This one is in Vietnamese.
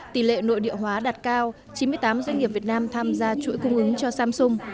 tỷ lệ nội địa hóa đạt cao chín mươi tám doanh nghiệp việt nam tham gia chuỗi cung ứng cho samsung